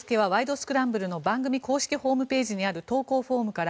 スクランブル」の番組公式ホームページにある投稿フォームから。